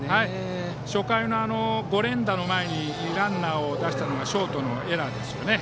初回の５連打の前にランナーを出したのはショートのエラーですよね。